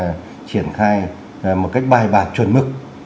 và chúng ta cần phải triển khai một cách bài bạc chuẩn mực